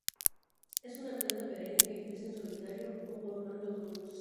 Es una planta perenne que crece solitaria o formando grupos.